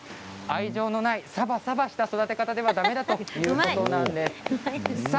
愛情のないサバサバした育て方ではだめだということで。